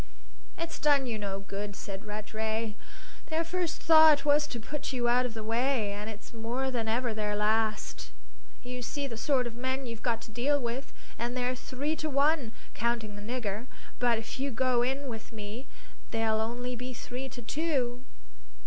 "It's done you no good," said Rattray. "Their first thought was to put you out of the way, and it's more than ever their last. You see the sort of men you've got to deal with; and they're three to one, counting the nigger; but if you go in with me they'll only be three to two."